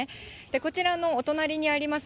こちらのお隣にあります